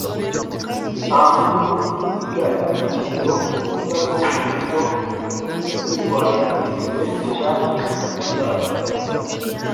Nta nkumi yigaya ikibero (itako, ubuto), n’irwaye igisebe ica inzaratsi.